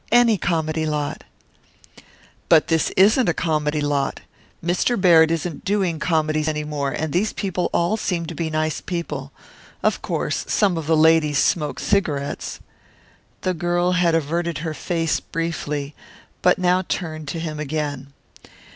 Any comedy lot." "But this isn't a comedy lot. Mr. Baird isn't doing comedies any more, and these people all seem to be nice people. Of course some of the ladies smoke cigarettes " The girl had averted her face briefly, but now turned to him again.